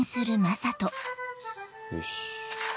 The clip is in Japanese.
よし。